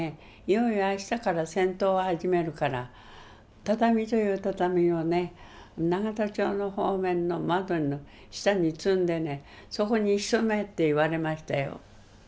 いよいよあしたから戦闘を始めるから畳という畳をね永田町の方面の窓の下に積んでねそこに潜めって言われましたよ。